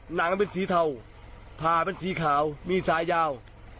หนังเป็นสีเทาผ่าเป็นสีขาวมีสายยาว